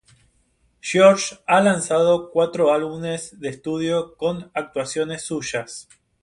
George ha lanzado cuatro álbumes de estudio con actuaciones suyas.